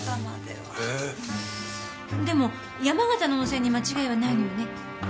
でも山形の温泉に間違いはないのよね？